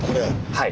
はい。